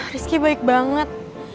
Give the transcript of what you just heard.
rizki baik banget